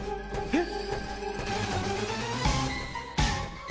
えっ？